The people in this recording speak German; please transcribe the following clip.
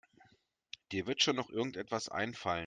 Dir wird schon noch irgendetwas einfallen.